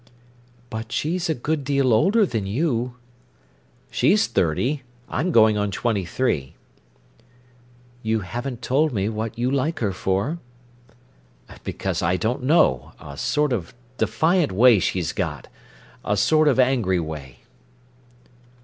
"But she's a good deal older than you." "She's thirty, I'm going on twenty three." "You haven't told me what you like her for." "Because I don't know—a sort of defiant way she's got—a sort of angry way."